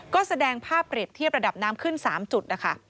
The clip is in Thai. ก็แสดงภาพเปรียบเทียบระดับน้ำขึ้น๓จุดนะคะ